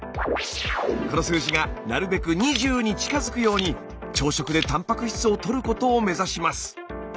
この数字がなるべく２０に近づくように朝食でたんぱく質をとることを目指します。